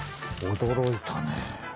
驚いたね。